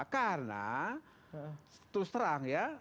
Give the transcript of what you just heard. karena terus terang ya